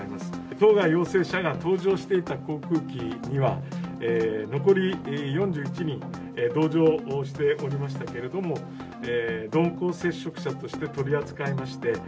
当該陽性者が搭乗していた航空機には、残り４１人が同乗しておりましたけれども、濃厚接触者として取り扱いまして。